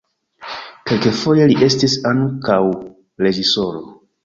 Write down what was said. Kelkfoje li estis ankaŭ reĝisoro.